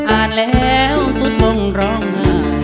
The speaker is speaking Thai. อ่านแล้วตุ๊ดมงรอง